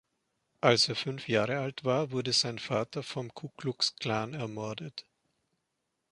Als er fünf Jahre alt war, wurde sein Vater vom Ku Klux Klan ermordet.